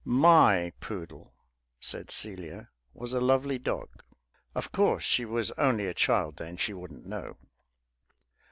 "My poodle," said Celia, "was a lovely dog." (Of course she was only a child then. She wouldn't know.)